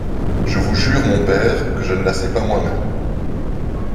Je vous jure, mon père, que je ne la sais pas moi-même.